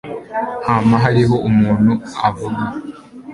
Hama hariho umuntu avuga